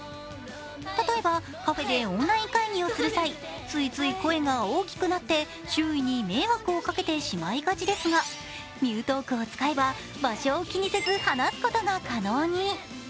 例えばカフェでオンライン会議をする際、ついつい声が大きくなって周囲に迷惑をかけてしまいがちですが、ｍｕｔａｌｋを使えば場所を気にせず話すことが可能に。